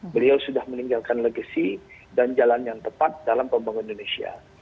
beliau sudah meninggalkan legacy dan jalan yang tepat dalam pembangunan indonesia